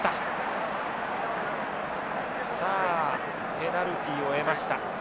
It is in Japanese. さあペナルティを得ました。